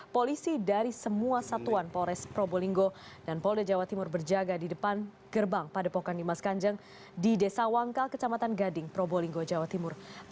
polisi dari semua satuan polres probolinggo dan polda jawa timur berjaga di depan gerbang padepokan dimas kanjeng di desa wangkal kecamatan gading probolinggo jawa timur